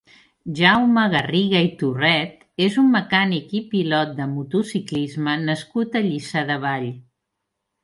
Jaume Garriga i Torret és un mecànic i pilot de motociclisme nascut a Lliçà de Vall.